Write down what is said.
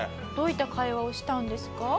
どういった会話をしたんですか？